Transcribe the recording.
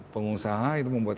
pengusaha itu membuat